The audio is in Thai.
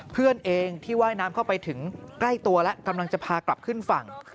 เพื่อนเองที่ว่ายน้ำเข้าไปถึงใกล้ตัวแล้วกำลังจะพากลับขึ้นฝั่ง